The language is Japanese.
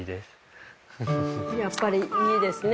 やっぱりいいですね。